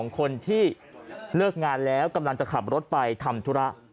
คนที่เลิกงานแล้วกำลังจะขับรถไปทำธุระ